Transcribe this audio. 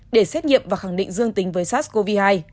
để xét nghiệm và khẳng định dương tính với sars cov hai